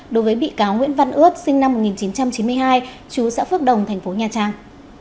đối với bị cáo nguyễn văn ướt sinh năm một nghìn chín trăm chín mươi hai chú xã phước đồng thành phố nha trang